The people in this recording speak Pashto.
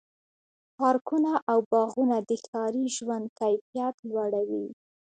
پارکونه او باغونه د ښاري ژوند کیفیت لوړوي.